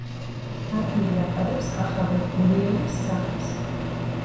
ადგილი ატარებს კახაბერ გურიელის სახელს.